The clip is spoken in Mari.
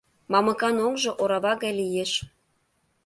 Мамыкан оҥжо орава гай лиеш.